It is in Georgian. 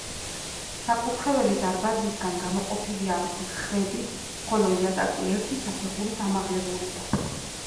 საკურთხეველი დარბაზისგან გამოყოფილია მხრებით, ხოლო იატაკი ერთი საფეხურით ამაღლებულია.